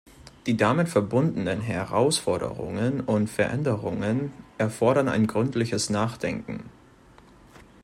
Die damit verbundenen Herausforderungen und Veränderungen erfordern ein gründliches Nachdenken.